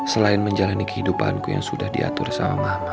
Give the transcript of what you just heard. selain menjalani kehidupanku yang sudah diatur sama mama